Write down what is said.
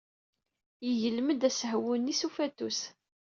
Yeglem-d asehwu-nni s ufatus.